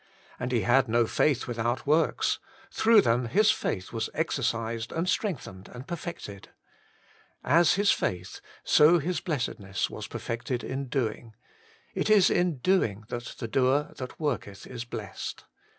And he had no faith without works: through them his faith was exercised and strength ened and perfected. As his faith, so his Working for God 141 blessedness was perfected in doing. It is in doing that the doer that worketh is blessed.